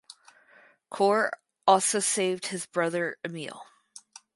Cor also saved his brother Emil.